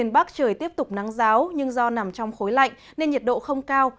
bắc trời tiếp tục nắng giáo nhưng do nằm trong khối lạnh nên nhiệt độ không cao